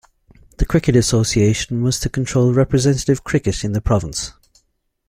The Cricket Association was to control representative Cricket in the Province.